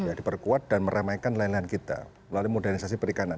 ya diperkuat dan meremaikan lain lain kita melalui modernisasi perikanan